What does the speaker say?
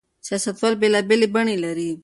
سياستوال بېلابېلې بڼې لري.